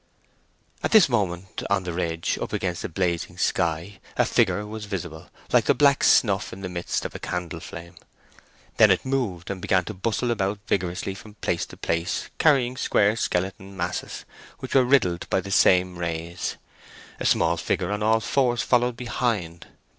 At this moment, on the ridge, up against the blazing sky, a figure was visible, like the black snuff in the midst of a candle flame. Then it moved and began to bustle about vigorously from place to place, carrying square skeleton masses, which were riddled by the same rays. A small figure on all fours followed behind.